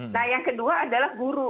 nah yang kedua adalah guru